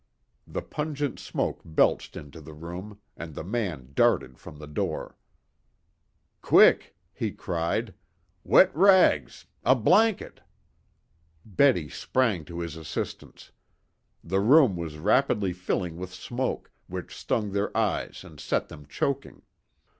The pungent smoke belched into the room, and the man darted from the door. "Quick!" he cried. "Wet rags! A blanket!" Betty sprang to his assistance. The room was rapidly filling with smoke, which stung their eyes and set them choking.